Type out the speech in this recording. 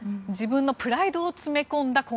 自分のプライドを詰め込んだ